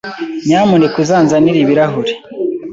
Nyamuneka uzanzanire ibirahure.